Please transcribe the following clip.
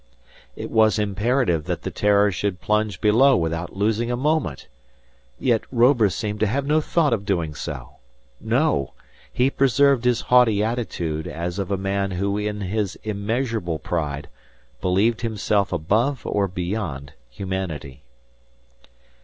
It was imperative that the "Terror" should plunge below without losing a moment. Yet Robur seemed to have no thought of doing so. No! He preserved his haughty attitude as of a man who in his immeasurable pride, believed himself above or beyond humanity.